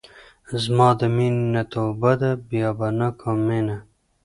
زما د مينې نه توبه ده بيا به نۀ کوم مينه